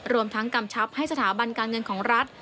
รวมทั้งกำชับให้สถาบันการเงินของรัฐ